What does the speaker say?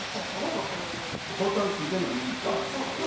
ボタン付いてんのは右側ですね。